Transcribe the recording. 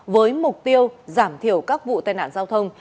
với mục tiêu giảm thiểu các vụ tai nạn giao thông